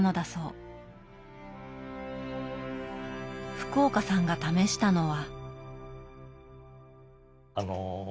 福岡さんが試したのは。